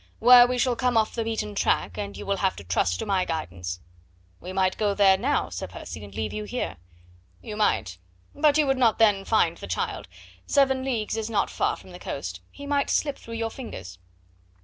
"Where we shall come off the beaten track, and you will have to trust to my guidance." "We might go there now, Sir Percy, and leave you here." "You might. But you would not then find the child. Seven leagues is not far from the coast. He might slip through your fingers."